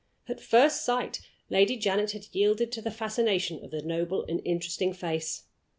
At first sight Lady Janet had yielded to the fascination of the noble and interesting face.